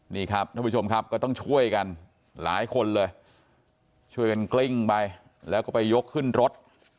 นี่ครับท่านผู้ชมครับก็ต้องช่วยกันหลายคนเลยช่วยกันกลิ้งไปแล้วก็ไปยกขึ้นรถ